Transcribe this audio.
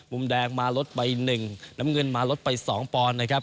มุมแดงมาลดไป๑น้ำเงินมาลดไป๒ปอนด์นะครับ